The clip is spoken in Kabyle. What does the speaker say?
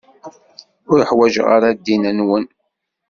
Ur ḥwaǧeɣ ara ddin-nwen.